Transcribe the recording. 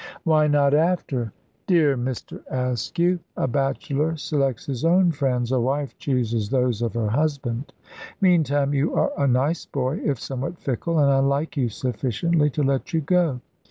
"Why not after?" "Dear Mr. Askew, a bachelor selects his own friends, a wife chooses those of her husband. Meantime, you are a nice boy, if somewhat fickle, and I like you sufficiently to let you go.